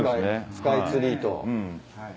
スカイツリーと。